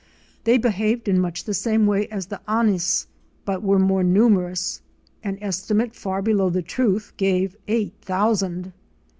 They behaved in much the same way as the Anis, but were more numerous: an estimate far below the truth gave eight thousand.